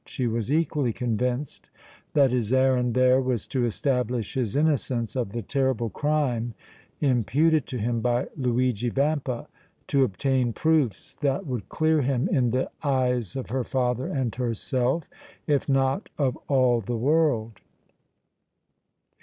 She was equally convinced that his errand there was to establish his innocence of the terrible crime imputed to him by Luigi Vampa, to obtain proofs that would clear him in the eves of her father and herself, if not of all the world.